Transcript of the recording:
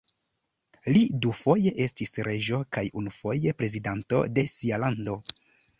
Li dufoje estis reĝo kaj unufoje prezidanto de sia lando.